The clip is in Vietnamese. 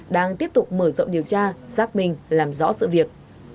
đang tiếp tục mở rộng điều tra xác minh làm rõ sự việc